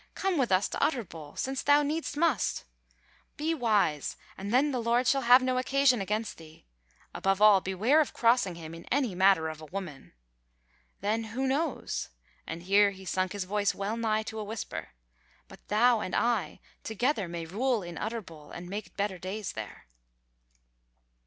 come with us to Utterbol, since thou needs must. Be wise, and then the Lord shall have no occasion against thee; above all, beware of crossing him in any matter of a woman. Then who knows" (and here he sunk his voice well nigh to a whisper) "but thou and I together may rule in Utterbol and make better days there."